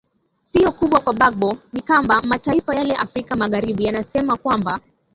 sio kubwa kwa bagbo ni kwamba mataifa yale ya afrika magharibi yanasema kwamba